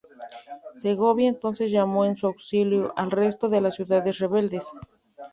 Segovia entonces llamó en su auxilio al resto de las ciudades rebeldes.